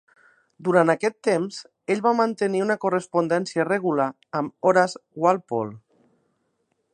Durant aquest temps, ell va mantenir una correspondència regular amb Horace Walpole.